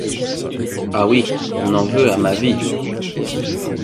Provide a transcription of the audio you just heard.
Ah oui : on en veut à ma vie.